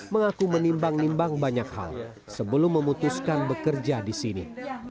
mengaku menimbang nimbang banyak hal sebelum memutuskan bekerja di sini